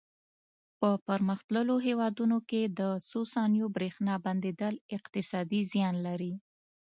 په پرمختللو هېوادونو کې د څو ثانیو برېښنا بندېدل اقتصادي زیان لري.